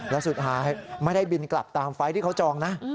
แล้วสุดท้ายไม่ได้บินกลับตามไฟล์ที่เขาจองนะ